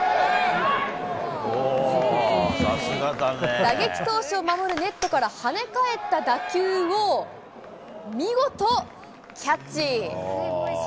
打撃投手を守るネットから跳ね返った打球を、見事キャッチ。